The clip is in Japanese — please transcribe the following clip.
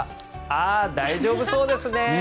あっ、大丈夫そうですね。